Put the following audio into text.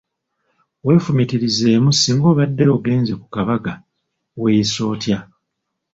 Weefumiitirizeemu singa obadde ogenze ku kabaga, weeyisa otya?